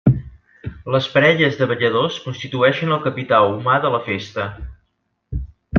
Les parelles de balladors constitueixen el capital humà de la festa.